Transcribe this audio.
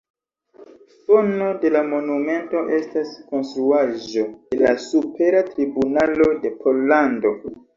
Fono de la monumento estas Konstruaĵo de la Supera Tribunalo de Pollando.